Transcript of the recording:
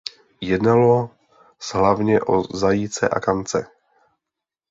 Jednalo s hlavně o zajíce a kance.